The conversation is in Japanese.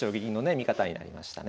見方になりましたね。